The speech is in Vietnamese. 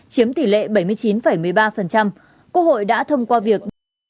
chiếm tỷ lệ bảy mươi chín một mươi ba quốc hội đã thông qua việc